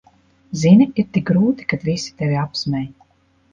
Zini, ir tik grūti, kad visi tevi apsmej.